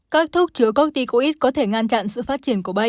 các thuốc chứa corticoid có thể ngăn chặn sự phát triển của bay